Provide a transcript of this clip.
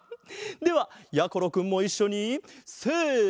ではやころくんもいっしょにせの。